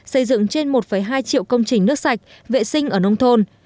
xây dựng trên một hai triệu công trình nước sạch vệ sinh ở nông thôn